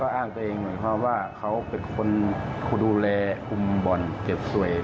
อีกฝ่ายนึงมากระทำลูกสาวแม่อยู่ฝ่ายเดียวค่ะ